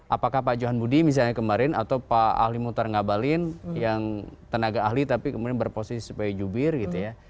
apakah pak johan budi misalnya kemarin atau pak ahli mutar ngabalin yang tenaga ahli tapi kemudian berposisi sebagai jubir gitu ya